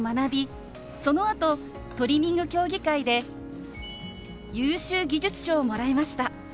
そのあとトリミング競技会で優秀技術賞をもらいました。